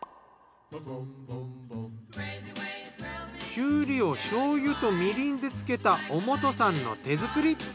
きゅうりをしょうゆとみりんで漬けた小本さんの手作り。